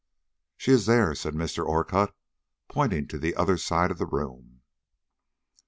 "She is there," said Mr. Orcutt, pointing to the other side of the room.